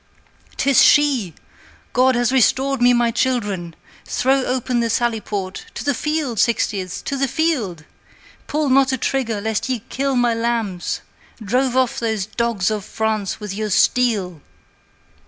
''Tis she! God has restored me my children! Throw open the sally port; to the field, 60ths, to the field! pull not a trigger, lest ye kill my lambs! Drive off these dogs of France with your steel!'"